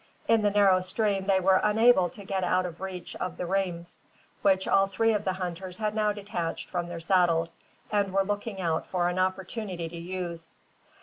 In the narrow stream they were unable to get out of reach of the rheims, which all three of the hunters had now detached from their saddles, and were looking out for an opportunity to use.